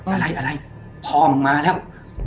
อะไรอะไรพ่อมึงมาแล้ว